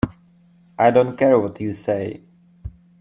I don't care what you say.